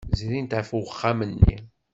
Zrint ɣef uxxam-nni.